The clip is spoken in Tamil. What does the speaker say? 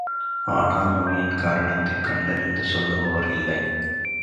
ஆனால் நோயின் காரணத்தைக் கண்டறிந்து சொல்லுபவர் இல்லை.